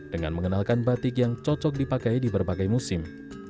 dengan mengenalkan batik yang cocok dipakai di berbagai musim